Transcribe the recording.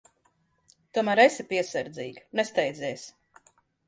Tomēr esi piesardzīga. Nesteidzies.